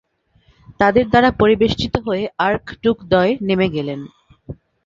তাদের দ্বারা পরিবেষ্টিত হয়ে আর্ক-ড্যুকদ্বয় নেমে গেলেন।